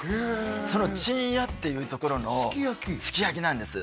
そのちんやっていうところのすき焼きなんです